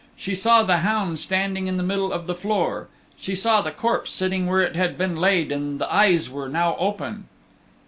She saw the hound standing in the middle of the floor. She saw the corpse sitting where it had been laid and the eyes were now open.